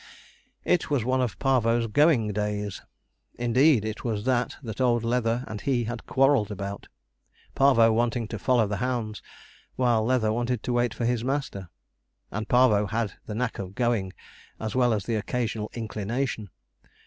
It was one of Parvo's going days; indeed, it was that that old Leather and he had quarrelled about Parvo wanting to follow the hounds, while Leather wanted to wait for his master. And Parvo had the knack of going, as well as the occasional inclination.